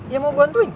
ya mau bantuin